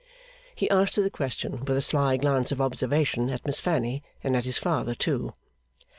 He asked her the question with a sly glance of observation at Miss Fanny, and at his father too.